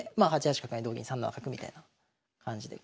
８八角成同銀３七角みたいな感じで。